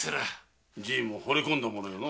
じいも惚れ込んだものよのう。